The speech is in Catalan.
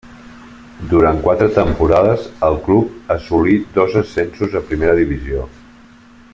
Durant quatre temporades al club assolí dos ascensos a primera divisió.